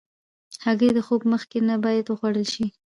هګۍ د خوب مخکې نه باید وخوړل شي.